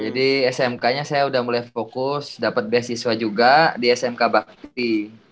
jadi smp nya saya udah mulai fokus dapet beasiswa juga di smp bakti